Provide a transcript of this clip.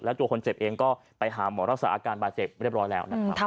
แล้วตัวคนเจ็บเองก็ไปหาหมอรักษาอาการบาดเจ็บเรียบร้อยแล้วนะครับ